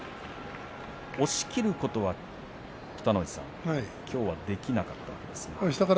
押しきることは、北の富士さん、きょうはできなかったんですか。